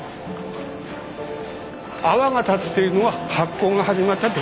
泡が立つというのは発酵が始まったってこと。